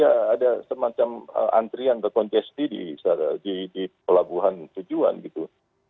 ya ada semacam antrian ke kontesti di pelabuhan tujuan gitu